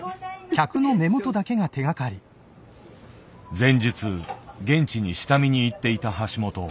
前日現地に下見に行っていた橋本。